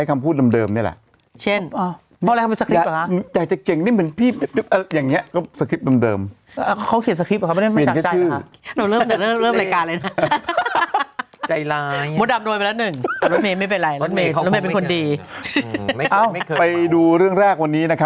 มดดำละมี่มด่าพ่อหรือเปล่า